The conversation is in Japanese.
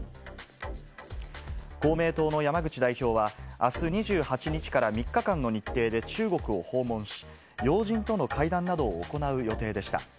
公明党の山口代表は、あす２８日から３日間の日程で中国を訪問し、要人との会談などを行う予定でした。